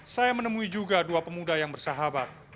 saya menemui juga dua pemuda yang bersahabat